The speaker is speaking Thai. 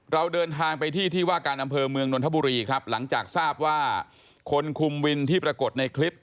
เราเดินทางไปที่ที่ว่าการอำเภอเมืองนนทบุรีครับหลังจากทราบว่าคนคุมวินที่ปรากฏในคลิป